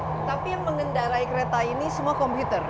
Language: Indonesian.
tapi yang mengendarai kereta ini semua komputer